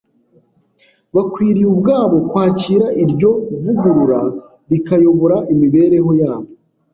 Bakwiriye ubwabo kwakira iryo vugurura rikayobora imibereho yabo,